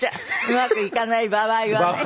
うまくいかない場合はね。